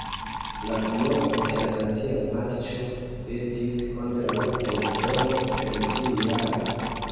La unua internacia matĉo estis kontraŭ Honkongo en tiu jaro.